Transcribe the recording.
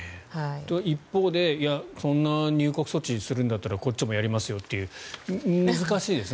一方でそんな入国措置するんだったらこっちもやりますよという難しいですね